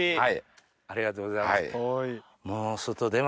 ありがとうございます。